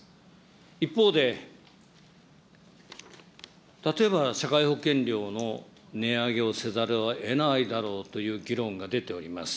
一方で、例えば社会保険料の値上げをせざるをえないだろうという議論が出ております。